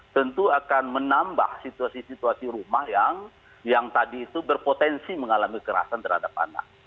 tentu akan menambah situasi situasi rumah yang tadi itu berpotensi mengalami kekerasan terhadap anak